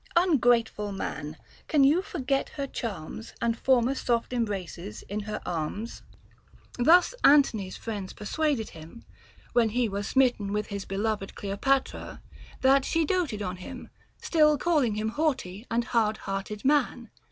Ungrateful man ! can you forget her charms, And former soft embraces in her arms 1 * Thus Antony's friends persuaded him, when he was smitten with his beloved Cleopatra, that she doted on him, still calling him haughty and hard hearted man.